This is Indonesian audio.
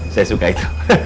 saya suka itu